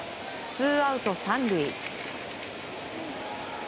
ツーアウト３塁。